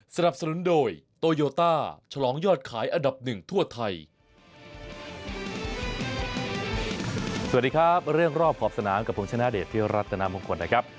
สวัสดีครับเรื่องรอบขอบสนามกับผมชนะเดชที่รัฐนามงคลนะครับ